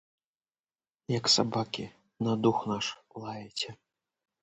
Як сабакі, на дух наш лаеце.